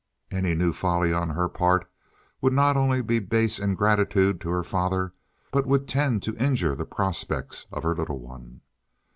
Any new folly on her part would not only be base ingratitude to her father, but would tend to injure the prospects of her little one.